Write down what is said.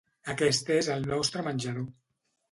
Aquest és el nostre menjador.